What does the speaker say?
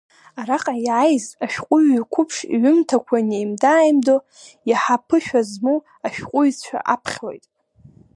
Араҟа иааиз ашәҟәыҩҩы қәыԥш иҩымҭақәа неимда-ааимдо, иаҳа аԥышәа змоу ашәҟәыҩҩцәа аԥхьоит.